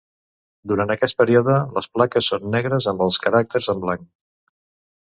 Durant aquest període les plaques són negres amb els caràcters en blanc.